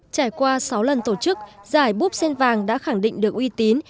trải qua sáu lần tổ chức giải búp sen vàng đã khẳng định được uy tín